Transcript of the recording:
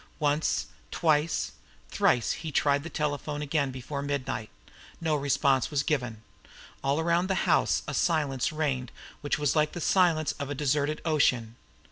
Once twice thrice he tried the telephone again before midnight; no response was given. And all around the house a silence reigned which was like the silence of a deserted ocean.